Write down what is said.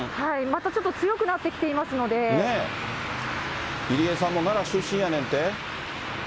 またちょっと強くなってきていますので、入江さんも、奈良出身やねんて？